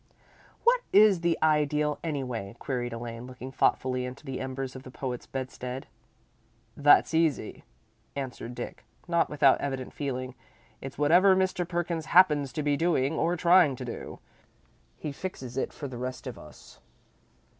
"What is the Ideal, anyway?" queried Elaine, looking thoughtfully into the embers of the poet's bedstead. "That's easy," answered Dick, not without evident feeling. "It's whatever Mr. Perkins happens to be doing, or trying to do. He fixes it for the rest of us."